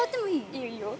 いいよいいよ。